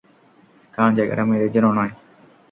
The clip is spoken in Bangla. কারণ জায়গাটা মেয়েদের জন্য নয়।